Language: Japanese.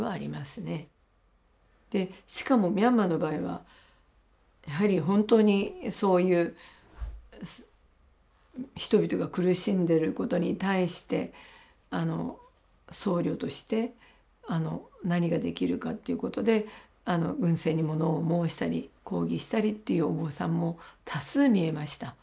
しかもミャンマーの場合はやはり本当にそういう人々が苦しんでることに対して僧侶として何ができるかっていうことで軍政にものを申したり抗議したりっていうお坊さんも多数見えました。